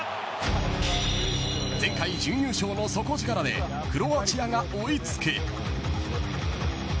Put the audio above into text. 前回準優勝の底力でクロアチアが追い付く。